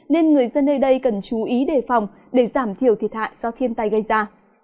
nên người dân nơi đây cần chú ý đề phòng để giảm thiểu thiệt hại do thiên tai gây ra